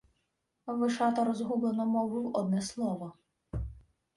Вишата розгублено мовив одне слово: